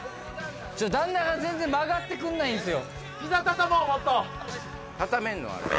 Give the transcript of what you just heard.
ダンナが全然曲がってくんないんすよ。